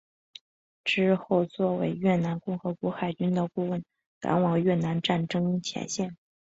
之后作为越南共和国海军的顾问赶往越南战争前线。